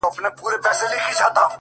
دوى ما اوتا نه غواړي!!